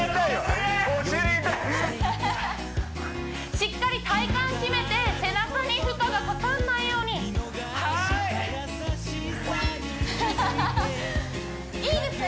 しっかり体幹締めて背中に負荷がかかんないようにはーいハハハハいいですね